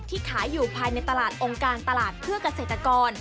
ขายอยู่ภายในตลาดองค์การตลาดเพื่อเกษตรกร